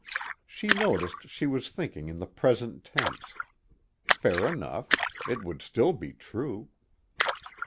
_ She noticed she was thinking in the present tense. Fair enough: it would still be true.